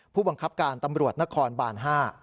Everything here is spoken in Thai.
ผู้บังคับการตำรวจนครบาน๕